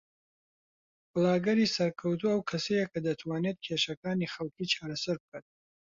بڵاگەری سەرکەوتوو ئەو کەسەیە کە دەتوانێت کێشەکانی خەڵکی چارەسەر بکات